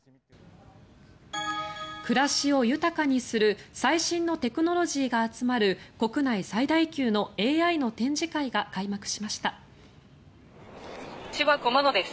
暮らしを豊かにする最新のテクノロジーが集まる国内最大級のＡＩの展示会が開幕しました。